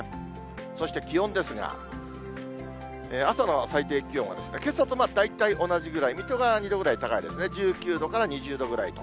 そして気温ですが、朝の最低気温は、けさと大体同じぐらい、水戸が２度ぐらい高いですね、１９度から２０度ぐらいと。